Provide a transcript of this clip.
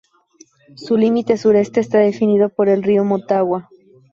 Su límite Sureste es definido por el río Motagua.